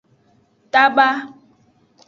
Taba.